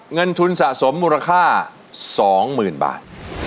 เงินทุนสะสมมูลค่าสองหมื่นบาท